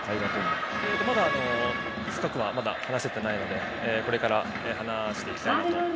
まだ深くは話せていないのでこれから話していきたいなと。